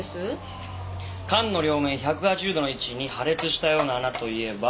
缶の両面１８０度の位置に破裂したような穴といえば。